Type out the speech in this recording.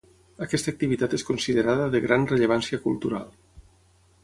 Aquesta activitat és considerada de gran rellevància cultural.